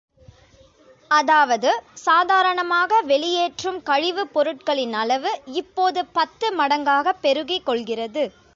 அதாவது, சாதாரணமாக வெளியேற்றும் கழிவுப் பொருட்களின் அளவு, இப்போது பத்து மடங்காகப் பெருகி கொள்கிறது.